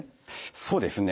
そうですね。